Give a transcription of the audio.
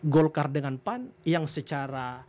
golkar dengan pan yang secara